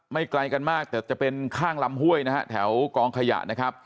ไกลกันมากแต่จะเป็นข้างลำห้วยนะฮะแถวกองขยะนะครับ